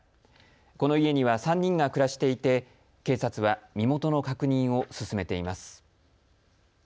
この家には３人が暮らしていて警察は身元の確認を進めています。